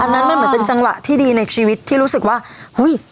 อันนั้นมันเหมือนเป็นจังหวะที่ดีในชีวิตที่รู้สึกว่าอุ้ย